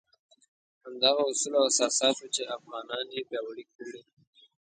همدغه اصول او اساسات وو چې افغانان یې پیاوړي کړي.